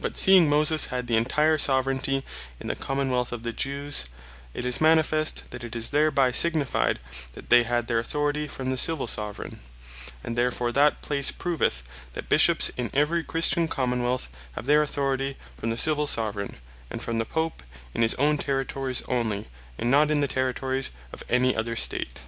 But seeing Moses had the entire Soveraignty in the Common wealth of the Jews, it is manifest, that it is thereby signified, that they had their Authority from the Civill Soveraign: and therefore that place proveth, that Bishops in every Christian Common wealth have their Authority from the Civill Soveraign; and from the Pope in his own Territories only, and not in the Territories of any other State.